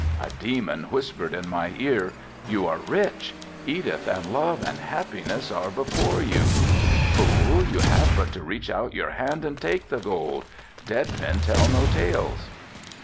A demon whispered in my ear, "You are rich. Edith and love and happiness are before you. Fool, you have but to reach out your hand and take the gold. Dead men tell no tales."